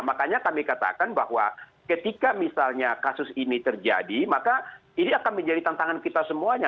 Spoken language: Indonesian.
makanya kami katakan bahwa ketika misalnya kasus ini terjadi maka ini akan menjadi tantangan kita semuanya